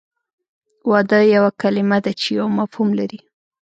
واده یوه کلمه ده چې یو مفهوم لري